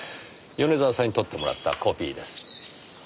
米沢さんに取ってもらったコピーです。